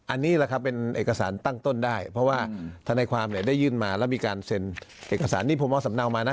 อันนี้แหละครับเป็นเอกสารตั้งต้นได้เพราะว่าธนายความเนี่ยได้ยื่นมาแล้วมีการเซ็นเอกสารนี้ผมเอาสำเนามานะ